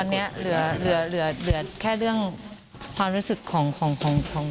ตอนนี้ลือแค่เรื่องความรู้สึกของหนูคนเดียวละ